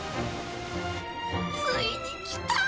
ついにきた！